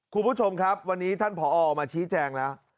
คุณผู้ชมครับวันนี้ท่านผอออกมาชี้แจงแล้ว